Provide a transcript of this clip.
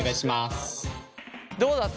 どうだった？